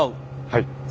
はい。